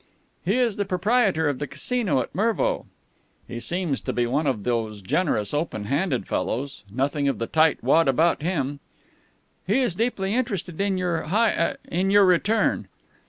"He is the proprietor of the Casino at Mervo." "He seems to be one of those generous, open handed fellows. Nothing of the tight wad about him." "He is deeply interested in Your High in your return."